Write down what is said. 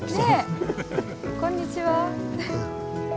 こんにちは。